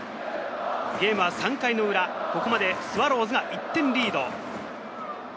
ゲームは３回の裏、ここまでスワローズが１点リード。